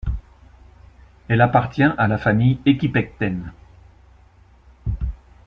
Elle appartient à la famille Aequipecten.